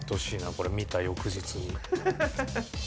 これ見た翌日にみんな。